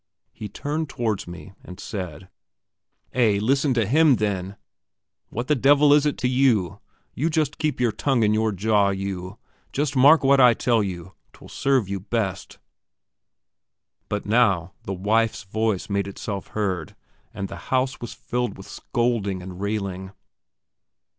He turned towards me, and said: "Eh, listen to him, then. What the devil is it to you? You just keep your tongue in your jaw, you just mark what I tell you, 'twill serve you best." But now the wife's voice made itself heard, and the house was filled with scolding and railing.